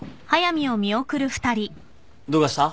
どうかした？